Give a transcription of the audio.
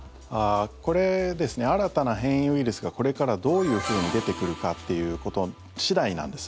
新たな変異ウイルスがこれからどういうふうに出てくるかっていうこと次第なんです。